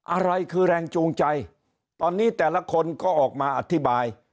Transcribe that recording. อะไรคือแรงจูงใจตอนนี้แต่ละคนก็ออกมาอธิบาย